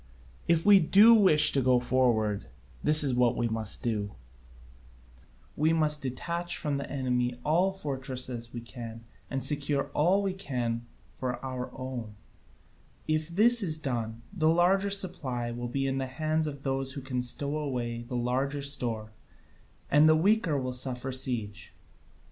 If we do wish to go forward, this is what we must do: we must detach from the enemy all the fortresses we can and secure all we can for our own: if this is done, the larger supply will be in the hands of those who can stow away the larger store, and the weaker will suffer siege.